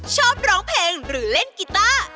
ชอบร้องเพลงหรือเล่นกีต้า